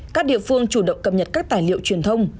các địa phương chủ động cập nhật các tài liệu truyền thông